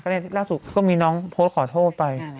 ในล่าสุดก็มีน้องโพสต์ขอโทษไป